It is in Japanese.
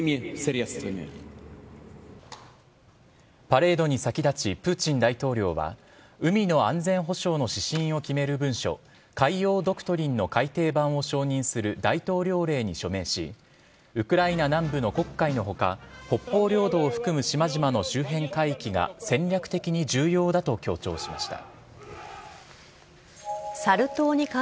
パレードに先立ち、プーチン大統領は、海の安全保障の指針を決める文書、海洋ドクトリンの改訂版を承認する大統領令に署名し、ウクライナ南部の黒海のほか、北方領土を含む島々の周辺海域が戦略的に重要だと強調しました。